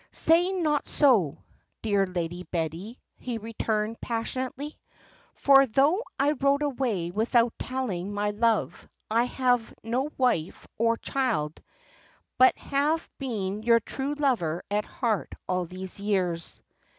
"'Say not so, dear Lady Betty,' he returned, passionately, 'for though I rode away without telling my love, I have had no wife or child, but have been your true lover at heart all these years.'